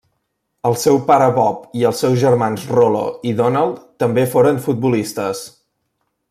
El seu pare Bob i els seus germans Rollo i Donald també foren futbolistes.